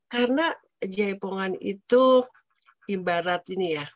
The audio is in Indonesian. karena jaipongan itu ibarat ini ya